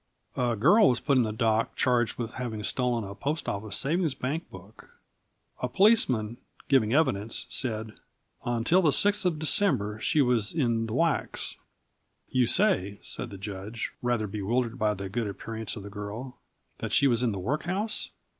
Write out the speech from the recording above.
A girl was put in the dock, charged with having stolen a Post Office savings bank book. A policeman, giving evidence, said: "Until the 6th of December she was in the Wacks." "You say," said the judge, rather bewildered by the good appearance of the girl, "that she was in the workhouse!"